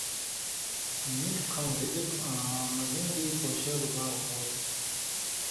مِٹھوۡ کھؤں (رِزق) آں مزیُوں دی پون٘شېلوۡ باغ ہو تُھو۔